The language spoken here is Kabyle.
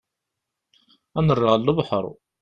Ad nerr ɣer lebḥer.